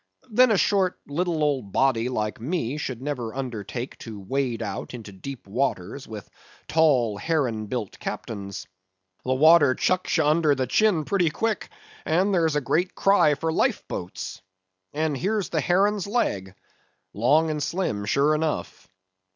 Then, a short, little old body like me, should never undertake to wade out into deep waters with tall, heron built captains; the water chucks you under the chin pretty quick, and there's a great cry for life boats. And here's the heron's leg! long and slim, sure enough!